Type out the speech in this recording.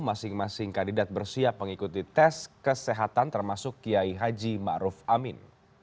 masing masing kandidat bersiap mengikuti tes kesehatan termasuk kiai haji ma'ruf amin